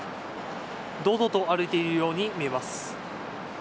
堂々と歩いているように見えます。